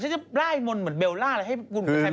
ฉันจะล่าไอ้มนต์เหมือนเบลล่าเลยให้พี่มุมใส่เป็นเก้งกวา